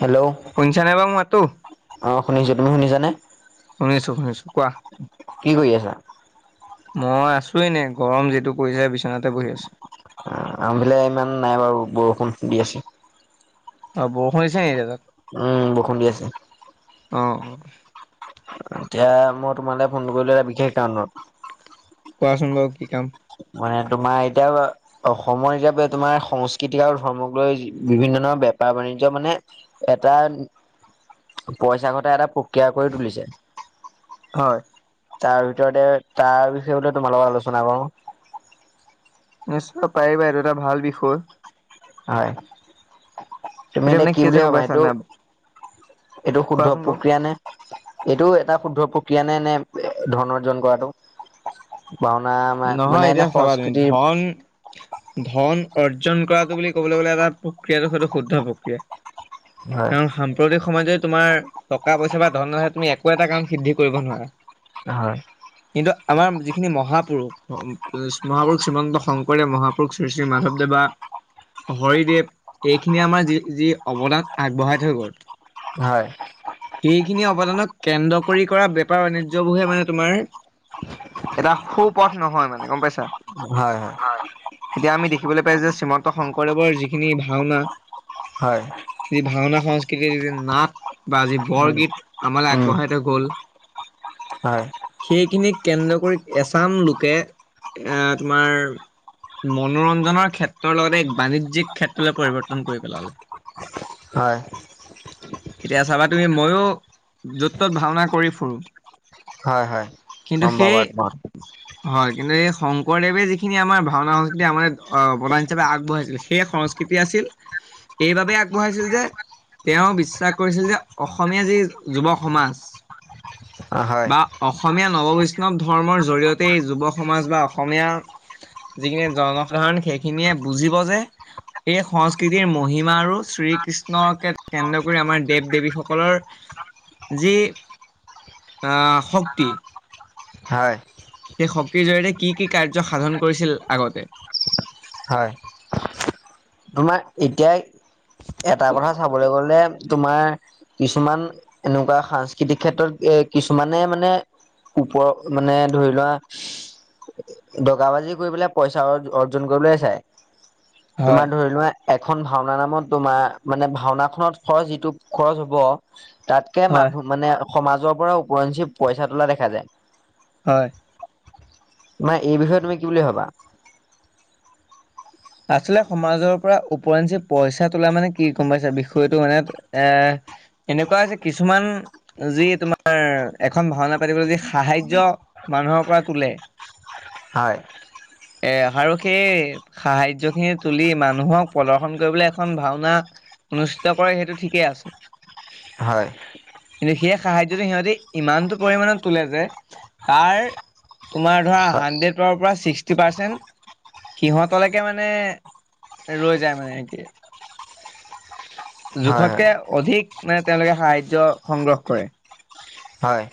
Hello? শুনিছা নে বাৰু মোৰ মাতটো অ শুনিছো তুমি শুনিছানে বাৰু শুনিছো শুনিছো কোৱা। কি কৰি আছা? মই আছো এনে গৰম যিটো পৰিছে বিছনাতে বহি আছো। আমাৰ ফালে ইমান নাই বাৰু বৰষুণ দি আছে। অ', বৰষুণ দিছে নেকি এতিয়া তাত? উম, বৰষুণ দি আছে। অ'। এতিয়া মই তোমালে ফোনটো কৰিলো এটা বিশেষ কাৰণত। কোৱাচোন বাৰু কি কাম? মানে তোমাৰ এতিয়া অসমৰ এতিয়া তোমাৰ সংস্কৃতি আৰু ধৰ্মক লৈ বিভিন্ন ধৰণৰ বেপাৰ বাণিজ্য মানে এটা পইচা ঘটা এটা প্ৰক্ৰিয়া কৰি তুলিছে। হয়। তাৰ ভিতৰতে তাৰ বিষয়ে তোমাৰ লগত আলোচনা কৰোঁ। নিশ্চয় পাৰিবা এইটো এটা ভাল বিষয়। হয়। তুমি এতিয়া মানে কি বুলি হৈছে গম ভাবা পাইছা এইটো নাই? এইটো শুদ্ধ কোৱাচোন বাৰু। প্ৰক্ৰিয়া নে? এইটো এটা শুদ্ধ প্ৰক্ৰিয়া নে নে ধন অৰ্জন কৰাটো? ভাওনা মানে এনে সংস্কৃতিৰ অন ধন অৰ্জন কৰাটো বুলি ক'বলৈ এটা প্ৰক্ৰিয়াটো হয়টো শুদ্ধ প্ৰক্ৰিয়া। হয় কাৰণ [unintelligible] প্ৰতি সময়তে তোমাৰ টকা-পইচা বা ধন নহ'লে তুমি একো এটা কাম সিদ্ধি কৰিব নোৱাৰা। হয়। কিন্তু আমাৰ যিখিনি মহাপুৰুষ। উ, মহাপুৰুষ শ্ৰীমন্ত শংকৰ দেৱ মহাপুৰুষ শ্ৰী শ্ৰী মাধৱদেৱা। হৰিদেৱ এইখিনিয়ে আমাৰ যি যি অৱদান আগবঢ়াই থৈ গ'ল। হয়। সেইখিনি অৱদানক কেন্দ্ৰ কৰি কৰা বেপাৰ বাণিজ্য়বোৰে মানে তোমাৰ এটা সু পথ নহয় মানে গ'ম পাইছা? হয়, হয়। এতিয়া আমি দেখিবলৈ পাইছ যে শ্ৰীমন্ত শংকৰদেৱৰ যিখিনি ভাওনা। হয়। যি ভাওনা সংস্কৃতিৰ যি নাট বা যি উম বৰগীত আমালৈ উম আগবঢ়াই থৈ গ'ল। হয়। সেইখিনিক কেন্দ্ৰ কৰি এছাম লোকে এ, তোমাৰ মনোৰঞ্জনৰ ক্ষেত্ৰৰ লগতে এক বাণিজ্য়িক ক্ষেত্ৰলৈ পৰিৱৰ্তন কৰি পেলালে। হয়। এতিয়া চাবা তুমি ময়ো য'ত ত'ত ভাওনা কৰি ফুৰো। হয়, হয় কিন্তু গ'ম পাও সেই বাৰু [unintelligible] হয় কিন্তু এই শংকৰদেৱে, যিখিনি আমাৰ ভাওনা, সংস্কৃতি আমাৰ প্ৰদান হিচাপে আগবঢ়াইছিলে সেই সংস্কৃত আছিল সেই বাবে আগবঢ়াইছিল যে তেওঁ বিশ্বা, কৰিছিল যে অসমীয়া যি যুৱ, সমাজ হয় বা অসমীয়া, নৱ বৈষ্ণৱ ধৰ্মৰ, জৰিয়তেই যুৱ সমাজ বা অসমীয়া। যিখিনি জনসাধাৰণ সেইখিনিয়ে বুজিব যে এই সংস্কৃতিৰ মহিমা আৰু শ্ৰীকৃষ্ণকে, কেন্দ্ৰ কৰি আমাৰ দেৱ দেৱীসকলৰ যি আহ শক্তি। হয়। সেই শক্তিৰ জৰিয়তে কি কি কাৰ্য সাধন কৰিছিল আগতে। হয় তোমাৰ এতিয়া এটা কথা চাবলৈ গ'লে তোমাৰ কিছুমান এনেকুৱা সাংস্কৃতিক কিছুমানে মানে। ওপৰৰ মানে ধৰি লোৱা। দগ বাজি কৰি পেলাই পইচা অৰ্জন কৰিবলৈ চাই। হয়। তোমাৰ ধৰি লোৱা এখন ভাওনা, নামত তোমাৰ মানে ভাওনাখনত খৰচ যিটো খৰচ হ'ব। তাতকে হয় মানুহ মানে সমাজৰ পৰা ওৰঞ্চি পইচা তোলা দেখা যায়। হয়। নাৰ এই বিষয়ে তুমি কি বুলি ভাবা। আচলতে সমাজৰ পৰা ওৰিঞ্চি পইচা তোলা মানে কি গম পাইছে বিষয়টো মানে এ এনেকুৱা হৈছে কিছুমান যি তোমাৰ এখন ভাওনা, পাতিবলৈ যি সাহাৰ্য। মানুহৰ পৰা তোলে। হয়। এ আৰু সেই সাহাৰ্য খিনি তুলি মানুহক প্ৰদৰ্শন কৰিবলৈ এখন ভাওনা। অনুষ্ঠিত কৰে সেইটো ঠিকেই আছে। হয়। কিন্তু সেই সাহাৰ্যটো সিহঁতি ইমানটো পৰিমমানত তোলে যে তাৰ তোমাৰ ধৰা হয়, হাড্ৰেডৰ পৰা ছিক্সটি পাৰ্চেন্ট সিহত তলৈকে মানে ৰৈ যায় মানে কি? হয়, জোখতকে অধিক মানে তেওঁলোকে সাহাৰ্য্য সংগ্ৰহ কৰে। হয়।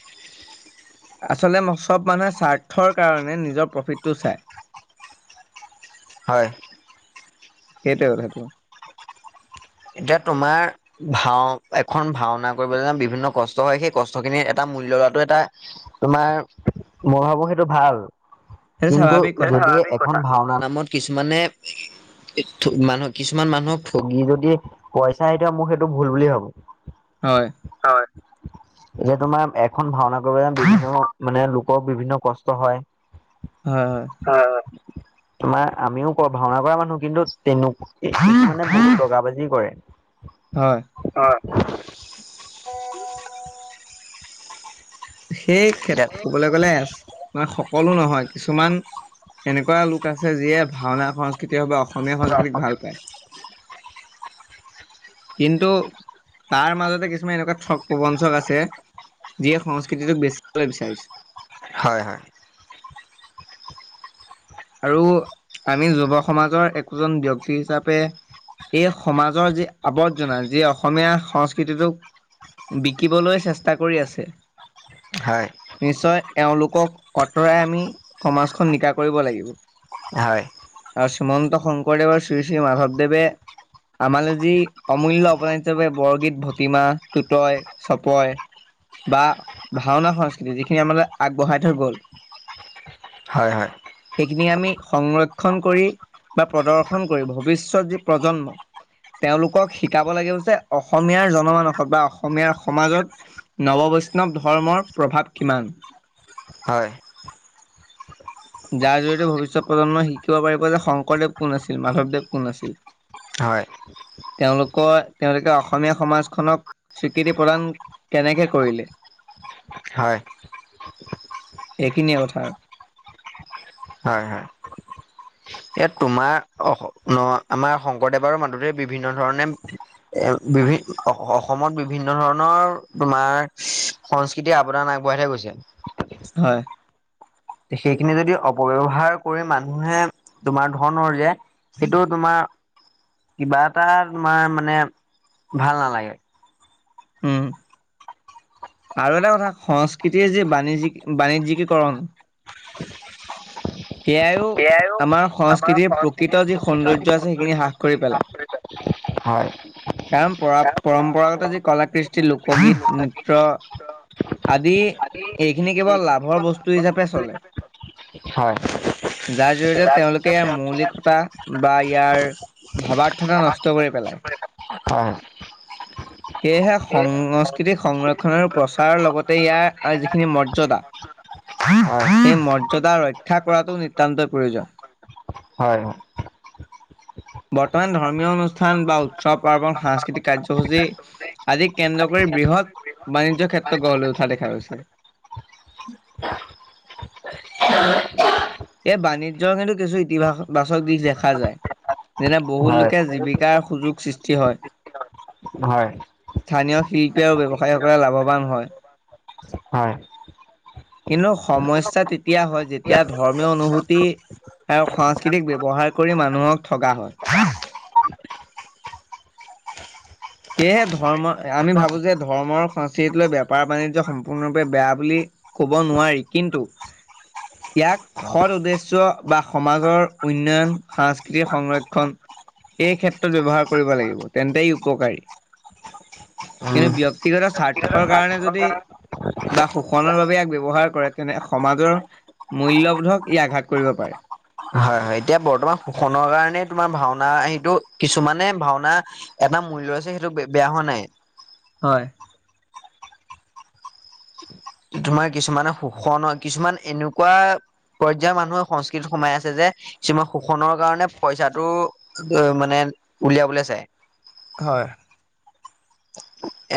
আচলতে ম চব মানুহে স্বাৰ্থৰ কাৰণে নিজৰ প্ৰফিটটো চাই। হয়। সেইটো কথাটো। এতিয়া তোমাৰ ভাও এখন ভাওনা, কৰিবলৈ যে বিভিন্ন কষ্ট হয় সেই কষ্ট খিনি এটা মূল্যয় লোৱাটো এটা তোমাৰ মই ভাবো সেইটো ভাল সেইটো কিন্তু স্বাভাৱিক যদি কথা [unintelligible] ভাওনা, নামত কিছুমানে মানুহ কিছুমান মানুহক ঠগি যদি। পইচা এতিয়া মোৰ সেইটো ভুল বুলি ভাবো। হয়। হয়। এতিয়া তোমাৰ এখন ভাঙনা কৰিবলৈ মানে লোকৰ বিভিন্ন কষ্ট হয়। হয় হয়। হয় হয়। তোমাৰ আমিও ভাওনা কৰা মানুহ কিন্তু তেনেকে বহুত বগা বাজি কৰে। হয়। হয়। সেই ক্ষেত ক'বলৈ গ'লে মানে সকলো নহয়, কিছুমান এনেকুৱা লোক আছে যিয়ে ভাওনা সংস্কৃতিৰ বাবে অস অসমীয়া সংস্কৃতিক ভাল পায়। [unintelligible] কিন্তু তাৰ মাজতে কিছুমান এনেকুৱা ঠগ প্ৰবঞ্চক আছে যিয়ে সংস্কৃতিটোক বেচিবলৈ বিচাৰিছে। হয় হয়। আৰু আমি যুৱ সমাজৰ একোজন ব্যক্তি হিচাপে এই সমাজৰ যি আবৰ্জনা যি অসমীয়া সংস্কৃতিটোক বিকিবলৈ চেষ্টা কৰি আছে। হয়। নিশ্চয় এওঁলোকক অঁতৰাই আমি সমাজখন নিকা কৰিব লাগিব। হয়। আৰু শ্ৰীমন্ত শংকৰদেৱ আৰু শ্ৰী শ্ৰী মাধৱদেৱে আমালে যি অমূল্য অৱদান হিচাপে বৰগীত, ভটমা, টুতয় চপয় বা ভাওনা সংস্কৃতি যিখিনি আমালে আগবঢ়াই থৈ গ'ল হয় হয়। সেইখিনি আমি সংৰক্ষণ কৰি বা প্ৰদৰ্শন কৰি ভৱিষ্যত যি প্ৰজন্ম তেওঁলোকক শিকাব লাগিব যে অসমীয়াৰ জনমানসত বা অসমীয়াৰ সমাজত নৱবৈষ্ণৱ ধৰ্মৰ প্ৰভাৱ কিমান। হয়। যাৰ জৰিয়তে ভৱিষ্যত প্ৰজন্মই শিকিব পাৰিব যে শংকৰদেৱ কোন আছিল মাধৱদেৱ কোন আছিল। হয়। তেওঁলোকৰ তেওঁলোকে অসমীয়া সমাজখনক স্বীকৃতি প্ৰদান কেনেকে কৰিলে হয়। এইখিনিয়ে কথা। হয় হয়। ইয়াত তোমাৰ অহ ন আমাৰ শংকৰদেৱৰ মাধৱদেৱে বিভিন্ন ধৰণে এ বিভি অসমত বিভিন্ন ধৰণৰ তোমাৰ সংস্কৃতিৰ আৱদান আগবঢ়াই থৈ গৈছিল। হয়। সেইখিনি যদি অপব্যৱহাৰ কৰি মানুহে তোমাৰ ধন ৰজে সেইটো তোমাৰ কিবা এটা তোমাৰ মানে ভাল নালাগে। উম আৰু এটা কথা সংস্কৃতিৰ যি বাণিজ্যিক বাণিজ্যিকীকৰণ সেইয়াইও এয়াইও আমাৰ যি সংস্কৃতিৰ দূষিত সৌন্দৰ্য আছে সেইখিনি হ্ৰাস কৰি পেলায়। [unintelligible] হয়। কাৰণ পৰা পৰম্পৰাগত যি কলা কৃষ্টি, লোকগীত, নৃত্য আদি এইখিনি কেৱল লাভৰ বস্তু হিচাপে চলে। হয়। যাৰ জৰিয়তে তেওঁলোকে মৌলিকতা বা ইয়াৰ ভাবাৰ্থতা নষ্ট কৰি পেলাই। অ। সেয়েহে সংস্কৃতিক সংৰক্ষণৰ প্ৰচাৰৰ লগতে ইয়াৰ যিখিনি মৰ্যাদা [unintelligible] সেই মৰ্যদা ৰক্ষা কৰাটো নিতান্তই প্ৰয়োজন। হয় হয়। বৰ্তমান ধৰ্মীয় অনুষ্ঠান বা উৎসৱ, পাৰ্বন, সাংস্কৃতিক কাৰ্যসূচী, আদি কেন্দ্ৰ কৰি বৃহৎ বাণিজ্য ক্ষেত্ৰ গঢ় লৈ উঠা দেখা গৈছে। এই বাণিজ্যৰ কিন্তু কিছু ইতিবা বাচক দিশ দেখা যায়। যেনে বহুত হয়। লোকে জীৱিকাৰ সুযোগ সৃষ্টি হয়। হয়। স্থানীয় শিল্পী আৰু ব্যৱসায়ীসকলে লাভৱান হয়। হয়। কিন্তু সমস্যা তেতিয়া হয় যেতিয়া। ধৰ্মীয় অনুভূতি আৰু সংস্কৃতিক ব্যৱহাৰ কৰি মানুহক ঠগা হয়। সেয়েহে ধৰ্ম আমি ভাবো যে ধৰ্মৰ সংস্কৃতিক লৈ বেপাৰ বাণিজ্য সম্পূৰ্ণৰূপে বেয়া বুলি ক'ব নোৱাৰি কিন্তু ইয়াক। সৎ উদ্দেশ্য বা সমাজৰ উন্নয়ন সাংস্কৃতিক সংৰক্ষণ এই ক্ষেত্ৰত ব্যৱহাৰ কৰিব লাগিব, তেন্তে ই উপকাৰী। কিন্তু উম, ব্যক্তিগত স্বাৰ্থৰ কাৰণে যদি। বা শোষণৰ বাবে ইয়াক ব্যৱহাৰ কৰে তেনে সমাজৰ মূল্যবোধক ই আঘাত কৰিব পাৰে। হয়, এতিয়া বৰ্তমান শোষণৰ কাৰণে তোমাৰ ভাওনা সেইটো কিছুমানে ভাওনা। এটা মূল্য আছে সেইটো বে বেয়া হোৱা নাই। হয়। তোমাৰ কিছুমানে শোষণ হয় কিছুমান এনেকুৱা পৰ্যয়াৰ মানুহে সংস্কৃতিত সোমাই আছে যে কিছুমান শোষণ কাৰণে পইচাটো অ মানে উলিয়াবলৈ চাই। হয়।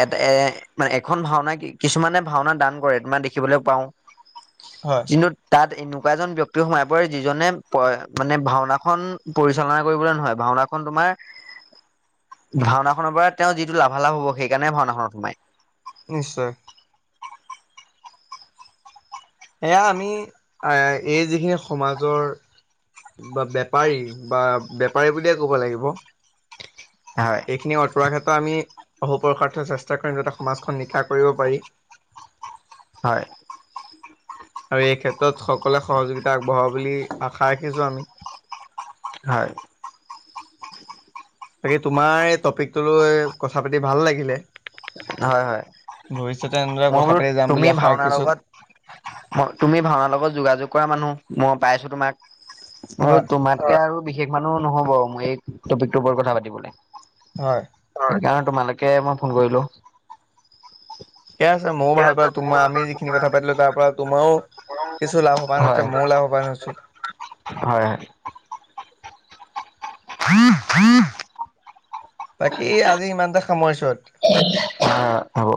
এটা এ মানে এখন ভাওনা কিছুমানে ভাওনা দান কৰে তোমাৰ দেখিবলৈ পাওঁ। [unintelligible] হয়। কিন্তু তাত এনেকুৱা এজন ব্যক্তি সোমাই পৰে যিজনে মানে ভাওনাখন পৰিচালনা কৰিবলৈ নহয়, ভাওনাখন তোমাৰ। ভাওনাখনৰ পৰা তেওঁ যিটো লাভালাভ হ'ব সেইকাৰণে ভাওনাখনত সোমায়। নিশ্চয়। এয়া আমি এই যিখিনি সমাজৰ। বা বেপাৰী বা বেপাৰী বুলিয়ে ক'ব লাগিব। হয়। এইখিনি আঁতৰৰ ক্ষেত্ৰত আমি অহপুৰসৰ্থ চেষ্টা কৰিম যাতে সমাজখন নিকা কৰিব পাৰিম। হয়। আৰু এই ক্ষেত্ৰত সকলোৱে সহযোগিতা আগবঢ়াব বুলি আশা ৰাখিছো আমি। হয়। বাকী তোমাৰ এই টপিকটো লৈ কথা পাতি ভাল লাগিলে। হয় হয়, ভৱিষ্যতে এনেদৰে মই কথা বোলো পাতি যাম বুলি তুমি আশা ভাওনাৰ ৰাখিছো লগত ম তুমি ভাওঁনাৰ লগত যোগাযোগ কৰা মানুহ মই পাইছো তোমাক। আৰু হয় তোমাতকে আৰু বিশেষ মানুহ নহ'ব মোৰ এই টপিকটোৰ ওপৰত কথা পাতিবলে। হয়। অৰকা তোমালৈকে মই ফোন কৰিলোঁ। ঠিকে আছে, ময়ো ভাল পালোঁ তোমাৰ। আমি যিখিনি কথা পাতিলো তাৰ পৰা তোমাৰো কিছু লাভৱান হৈছে, মইয়ো লাভৱান হৈছো। হয় হয়। [inaudible] বাকী আজি ইমানতে সামৰিচো আৰু। হয় হ'ব।